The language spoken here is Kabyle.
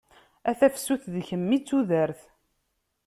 A tafsut, d kemm i d tudert.